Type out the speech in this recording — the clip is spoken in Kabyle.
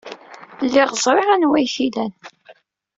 Lliɣ ẓriɣ anwa ay t-ilan.